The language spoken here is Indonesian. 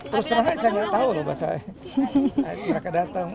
terus terangnya saya tidak tahu loh bahasa mereka datang